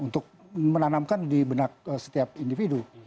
untuk menanamkan di benak setiap individu